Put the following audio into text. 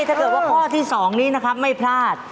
ถ้าเกิดว่าข้อที่๒นี้นะครับไม่พลาด